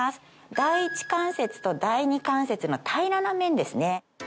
第一関節と第二関節の平らな面ですね。